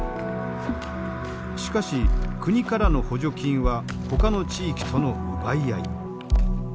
しかし国からの補助金はほかの地域との奪い合い。